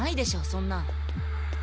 そんなん。